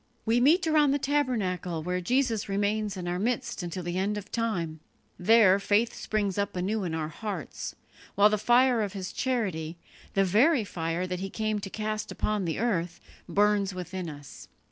We meet around the tabernacle where Jesus remains in our midst until the end of time; there faith springs up anew in our hearts, while the fire of His charity the very fire that He came to cast upon the earth burns within us.